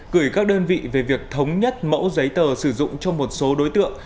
gửi các đơn vị về việc thống nhất mẫu giấy tờ sử dụng cho một số đối tượng